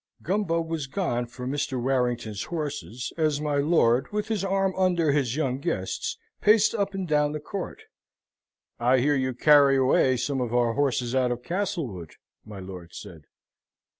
Gumbo was gone for Mr. Warrington's horses, as my lord, with his arm under his young guest's, paced up and down the court. "I hear you carry away some of our horses out of Castlewood?" my lord said.